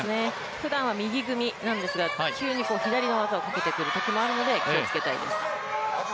ふだんは右組みなんですが、急に左の技をかけてくるときもあるので気をつけたいです。